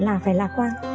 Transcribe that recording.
là phải lạc quan